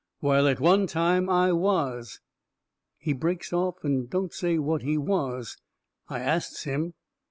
While at one time I was " He breaks off and don't say what he was. I asts him.